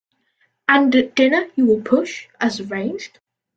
And at dinner you will push, as arranged?